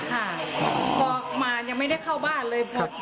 ค่ะพอมายังไม่ได้เข้าบ้านเลย